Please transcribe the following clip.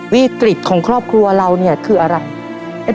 วิกฤตของครอบครัวเราเนี่ยคืออะไร